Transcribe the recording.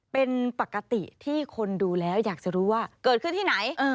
เป็นปกติที่คนดูแล้วอยากจะรู้ว่าเกิดขึ้นที่ไหน